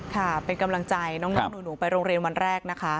ค่ะเป็นกำลังใจน้องหนูไปโรงเรียนวันแรกนะคะ